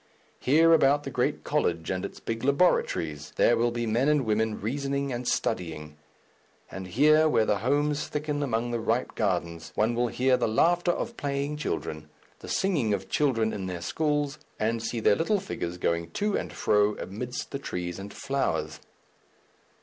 Here about the great college and its big laboratories there will be men and women reasoning and studying; and here, where the homes thicken among the ripe gardens, one will hear the laughter of playing children, the singing of children in their schools, and see their little figures going to and fro amidst the trees and flowers....